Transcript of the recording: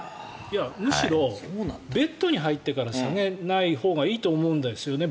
むしろベッドに入ってから下げないほうがいいと思うんですよね。